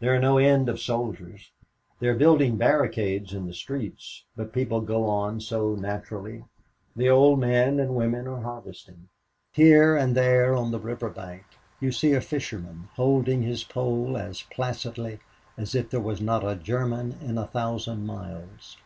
There are no end of soldiers. They are building barricades in the streets, but people go on so naturally. The old men and women are harvesting. Here and there on the river bank you see a fisherman holding his pole as placidly as if there was not a German in a thousand miles.